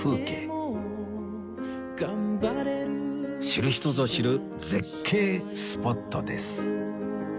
知る人ぞ知る絶景スポットです